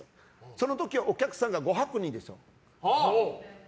その時、お客さんが５００人です。